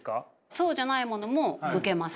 そうじゃないものも受けます。